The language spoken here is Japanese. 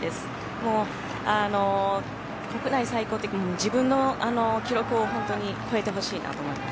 もう国内最高っていうより自分の記録を本当に超えてほしいなと思います。